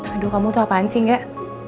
aduh kamu tuh apaan sih enggak